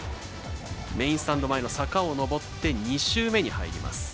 メインスタンド前の坂を上って２周目に入ります。